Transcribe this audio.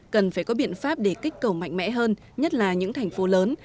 cần phải có biện pháp để kích cầu mạnh mẽ hơn nhất là những thành phố lớn